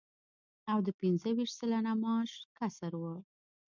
او د پنځه ویشت سلنه معاش کسر و